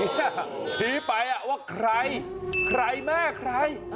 ชี้ไปว่าใครใครแม่ใคร